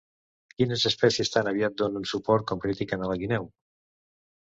Quines espècies tan aviat donen suport com critiquen a la guineu?